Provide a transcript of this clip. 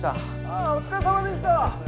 あお疲れさまでした。